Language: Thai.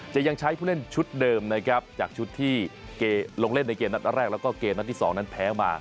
ยังใช้ผู้เล่นชุดเดิมนะครับจากชุดที่ลงเล่นในเกมนัดแรกแล้วก็เกมนัดที่๒นั้นแพ้มา